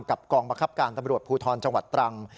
กองบังคับการตำรวจภูทรจังหวัดตรัง